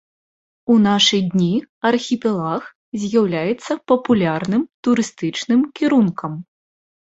У нашы дні архіпелаг з'яўляецца папулярным турыстычным кірункам.